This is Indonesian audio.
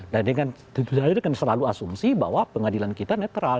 dan dengan selalu asumsi bahwa pengadilan kita netral